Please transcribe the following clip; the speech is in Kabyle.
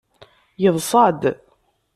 Yeḍṣa-d.